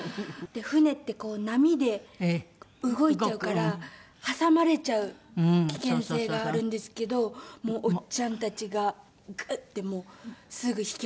船って波で動いちゃうから挟まれちゃう危険性があるんですけどおっちゃんたちがグッてもうすぐ引き上げてくれて。